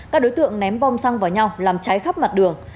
các đối tượng ném bom xăng vào nhau làm cháy khắp mặt đường